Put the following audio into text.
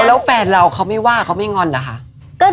แล้วแฟนเราเขาไม่ว่าเขาไม่งอนเหรอคะ